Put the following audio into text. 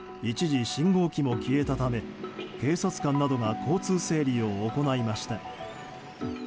一時信号機も消えたため警察官などが交通整理を行いました。